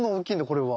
これは。